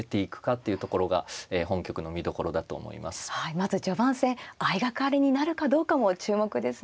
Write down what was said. まず序盤戦相掛かりになるかどうかも注目ですね。